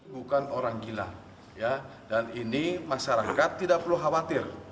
bukan orang gila dan ini masyarakat tidak perlu khawatir